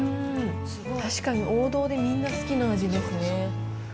確かに王道でみんな好きな味ですね。